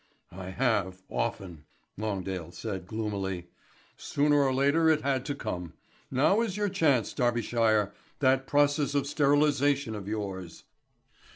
"I have, often," Longdale said gloomily. "Sooner or later it had to come. Now is your chance, Darbyshire that process of sterilisation of yours."